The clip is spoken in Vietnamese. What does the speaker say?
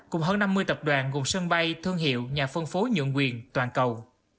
cùng hơn năm mươi tập đoàn gồm sân bay thương hiệu nhà phân phối nhuận quyền toàn cầu